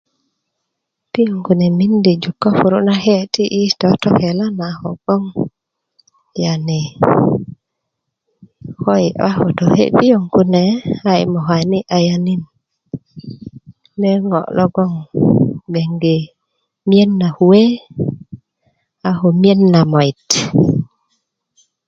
pioŋ kune mindi jug ko puru nake ti i totokel ma ko bgoŋ yani ko yi 'ba ko toke pioŋ kune a yi mokani ayanin leŋo logon bgenge miyen na kuwe a ko miyen na moit